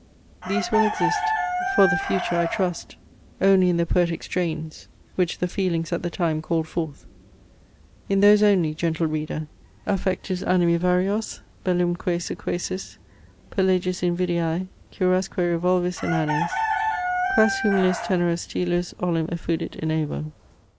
These will exist, for the future, I trust, only in the poetic strains, which the feelings at the time called forth. In those only, gentle reader, Affectus animi varios, bellumque sequacis Perlegis invidiae, curasque revolvis inanes, Quas humilis tenero stylus olim effudit in aevo.